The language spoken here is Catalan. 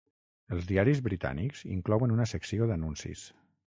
Els diaris britànics inclouen una secció d'anuncis.